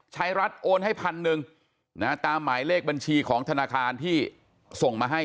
ชายรัฐโอนให้พันหนึ่งนะตามหมายเลขบัญชีของธนาคารที่ส่งมาให้